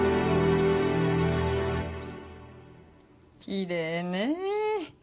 きれいねえ。